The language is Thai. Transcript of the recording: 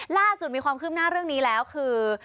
ล่าสุดมีความคืบหน้าเรื่องนี้แล้วคือ